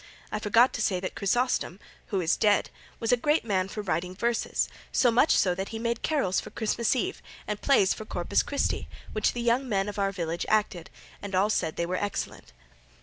I forgot to say that Chrysostom, who is dead, was a great man for writing verses, so much so that he made carols for Christmas Eve, and plays for Corpus Christi, which the young men of our village acted, and all said they were excellent.